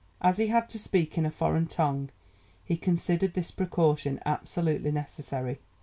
As he had to speak in a foreign tongue, he considered this precaution absolutely necessary.